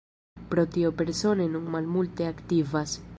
Pro tio Persone nun malmulte aktivas.